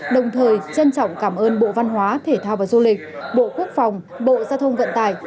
đồng thời trân trọng cảm ơn bộ văn hóa thể thao và du lịch bộ quốc phòng bộ giao thông vận tải